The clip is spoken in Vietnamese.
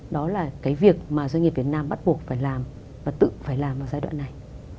đó là cái việc mà doanh nghiệp việt nam bắt buộc phải làm và tự phải làm ở giai đoạn này